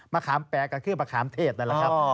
มะขามแปรก็คือมะขามเทศนั่นแหละครับ